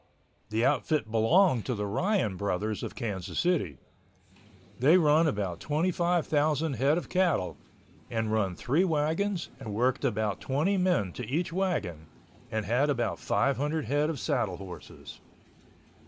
The outfit belonged to the Ryan Brothers of Kansas City. They run about 25,000 head of cattle, and run three wagons and worked about 20 men to each wagon, and had about 500 head of saddle horses.